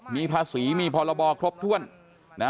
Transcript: มีภาษีมีพลบอกทรบถ้วน